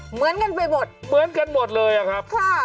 เหมือนกันไปหมดเหมือนกันหมดเลยอะครับค่ะ